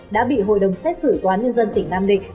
đã bị hội đồng xét xử toán nhân dân tỉnh nam định